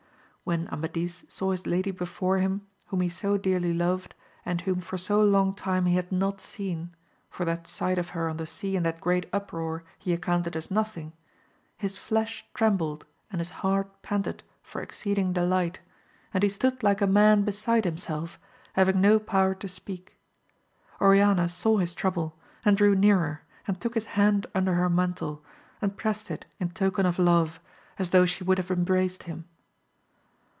When Amadis saw his lady before him, whom he so dearly loved, and whom for so long time he had not seen, for that sight of her on the sea in that great uproar he accounted as nothing, his flesh trembled and his heart panted for exceeding delight, and he stood like a man beside himself, having no power to speak. Oriana saw his trouble, and drew nearer and took his hand under her mantle, and prest it in token of love, as though she would have embraced him.